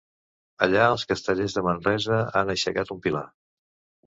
Allà els castellers de Manresa han aixecat un pilar.